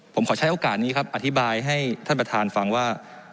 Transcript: ผมขอใช้โอกาสนี้ครับอธิบายให้ท่านประธานฟังว่า